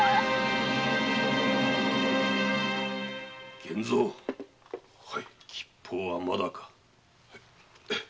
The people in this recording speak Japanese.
源蔵吉報はまだか？